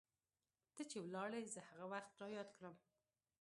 ته چې ولاړي زه هغه وخت رایاد کړم